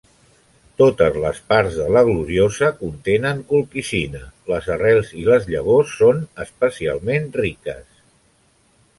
Totes les parts de la "Gloriosa" contenen colquicina, les arrels i les llavors són especialment riques.